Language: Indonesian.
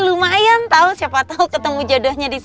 lumayan tau siapa tau ketemu jodohnya disini